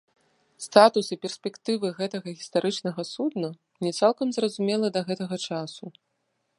Статус і перспектывы гэтага гістарычнага судна не цалкам зразумелы да гэтага часу.